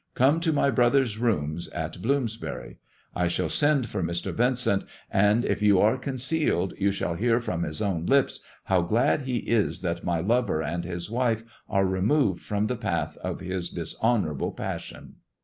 Come to my brother's rooms in Bloomsbury. I shall send for Mr. Yin cent, and if you are concealed you shall hear from his own lips how glad he is that my lover and his wife are removed from the path of his dishonourable passion."